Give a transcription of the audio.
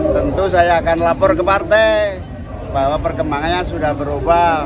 tentu saya akan lapor ke partai bahwa perkembangannya sudah berubah